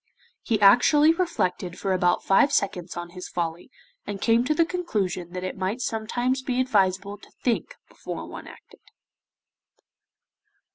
He actually reflected for about five seconds on his folly, and came to the conclusion that it might sometimes be advisable to think before one acted.